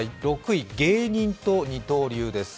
６位、芸人と二刀流です。